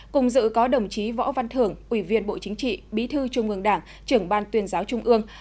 cùng dự có đồng chí võ văn thưởng ủy viên bộ chính trị bí thư trung ương đảng trưởng ban tuyên giáo trung ương